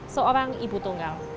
seorang ibu tunggal